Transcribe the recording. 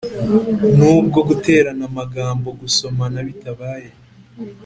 nubwo guterana amagambo gusomana bitabaye